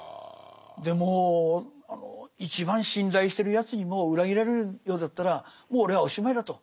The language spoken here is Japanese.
でもう一番信頼してるやつにも裏切られるようだったらもう俺はおしまいだと。